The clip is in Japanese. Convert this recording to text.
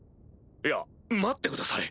いや待ってください。